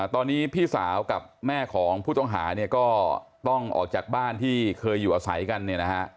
ตอนนี้พี่สาวกับแม่ของผู้ต้องหาเนี่ยก็ต้องออกจากบ้านที่เคยอยู่อาศัยกันเนี่ยนะฮะ